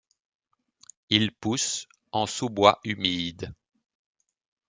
Il pousse en sous-bois humide.